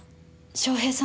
翔平さん？